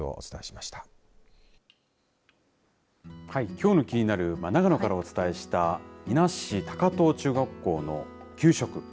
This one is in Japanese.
きょうのキニナル！は長野からお伝えした伊那市高遠中学校の給食。